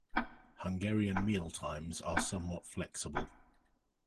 Hungarian meal times are somewhat flexible.